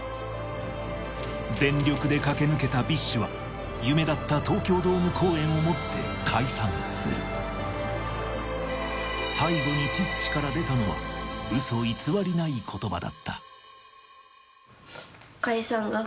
全力で駆け抜けたＢｉＳＨは夢だった東京ドーム公演をもって解散する最後にチッチから出たのはいつも。と思っているので。